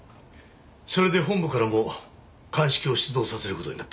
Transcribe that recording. それで本部からも鑑識を出動させる事になった。